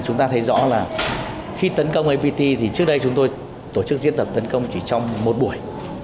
chúng ta thấy rõ là khi tấn công apt thì trước đây chúng tôi tổ chức diễn tập tấn công chỉ trong một buổi